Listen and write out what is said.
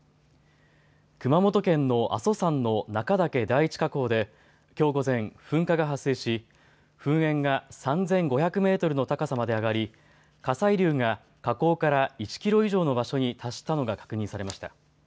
熊本県の阿蘇山の中岳第一火口できょう午前、噴火が発生し噴煙が３５００メートルの高さまで上がり火砕流が火口から１キロ以上の場所に達したのが確認されました。